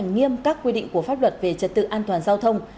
nghiêm các quy định của pháp luật về trật tự an toàn giao thông